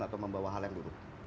atau membawa hal yang buruk